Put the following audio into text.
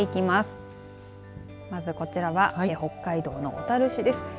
まず、こちらは北海道の小樽市です。